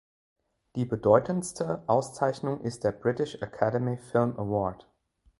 Die bedeutendste Auszeichnung ist der British Academy Film Award.